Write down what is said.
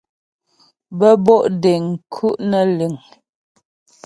Bə́́ bo' deŋ nku' nə́ liŋ.